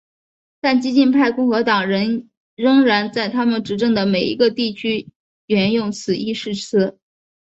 但激进派共和党人仍然在他们执政的每一个地区援用此一誓词。